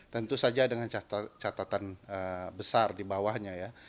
tentu saja dengan catatan besar di bawahnya ya